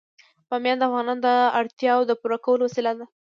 بامیان د افغانانو د اړتیاوو د پوره کولو وسیله ده.